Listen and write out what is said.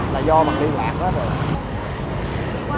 là do mặt liên lạc hết rồi